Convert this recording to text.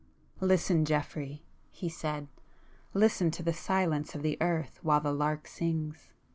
"Listen, Geoffrey!" he said—"Listen to the silence of the earth while the lark sings!